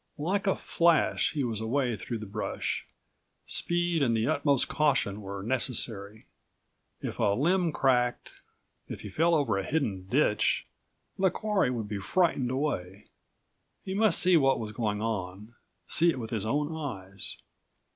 Like a flash he was away through the brush. Speed and the utmost caution were necessary. If a limb cracked, if he fell over a hidden ditch,67 the quarry would be frightened away. He must see what was going on, see it with his own eyes.